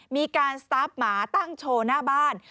มีการสตาร์ฟหมาตั้งโชว์หน้าบ้าน